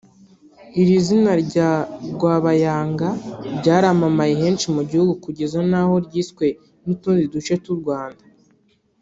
Iri zina rya Rwabayanga ryaramamaye henshi mu gihugu kugeza n’aho ryiswe n’utundi duce tw’u Rwanda